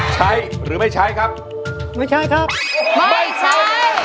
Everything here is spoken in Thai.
ใช้หรือไม่ใช้ครับไม่ใช้ครับไม่ใช้